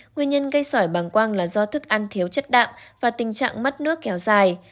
nguyên nhân gây sỏi bằng quang là do thức ăn thiếu chất đạm và tình trạng mất nước kéo dài